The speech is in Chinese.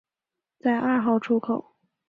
在二号出口